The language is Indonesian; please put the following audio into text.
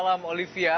selamat malam olivia